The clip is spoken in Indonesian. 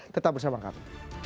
tetap bersama kami